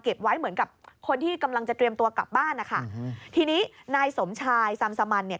ไว้เหมือนกับคนที่กำลังจะเตรียมตัวกลับบ้านนะคะทีนี้นายสมชายซัมสมันเนี่ย